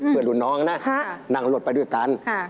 เพื่อนหลวนน้องนะนั่งรถไปด้วยกัน